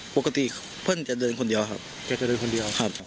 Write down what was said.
ปกติเพื่อนจะเดินคนเดียวครับแกจะเดินคนเดียวครับ